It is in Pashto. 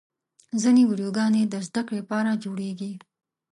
ځینې ویډیوګانې د زدهکړې لپاره جوړېږي.